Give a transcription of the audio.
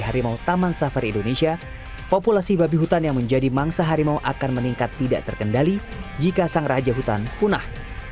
harimau taman safari indonesia populasi babi hutan yang menjadi mangsa harimau akan meningkat tidak terkendali jika sang raja hutan punah